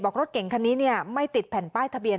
บอกรถเก๋งคันนี้เนี่ยไม่ติดแผ่นป้ายทะเบียน